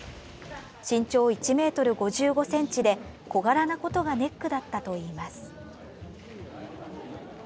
身長１ｍ５５ｃｍで小柄なことがネックだったといいます。